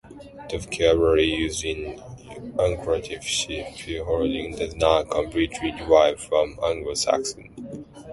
The vocabulary used in "Uncleftish Beholding" does not completely derive from Anglo-Saxon.